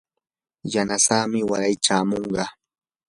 yanasamii waray chamunqa.